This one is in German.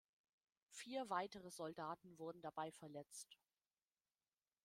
Vier weitere Soldaten wurden dabei verletzt.